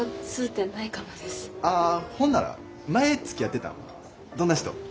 ああほんなら前つきあってたんはどんな人？